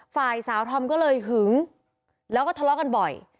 ฝ่ายสาวธอมก็เลยหึงแล้วก็ทะเลาะกันบ่อย